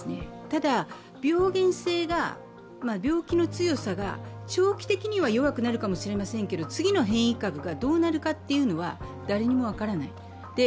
ただ病原性が、病気の強さが長期的には弱くなるかもしれませんが次の変異株がどうなるかというのは誰にも分からない。